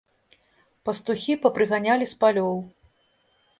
Пастухі папрыганялі з палёў.